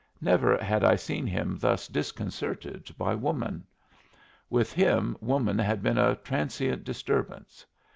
Never had I seen him thus disconcerted by woman. With him woman had been a transient disturbance.